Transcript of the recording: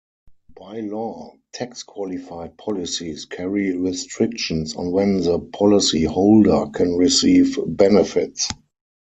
By law, tax-qualified policies carry restrictions on when the policy holder can receive benefits.